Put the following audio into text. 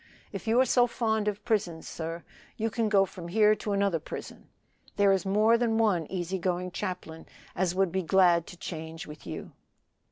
If you are so fond of prisons, sir, you can go from here to another prison. There is more than one easy going chaplain as would be glad to change with you.